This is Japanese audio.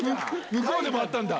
向こうでもあったんだ。